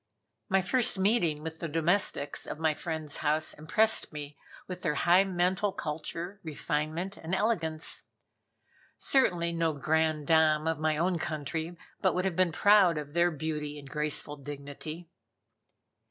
My first meeting with the domestics of my friend's house impressed me with their high mental culture, refinement and elegance. Certainly no "grande dame" of my own country but would have been proud of their beauty and graceful dignity.